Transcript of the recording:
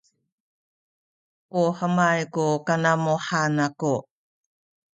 u hemay ku kanamuhan aku